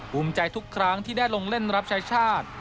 ภูมิใจทุกครั้งที่ได้ลงเล่นรับใช้ชาติ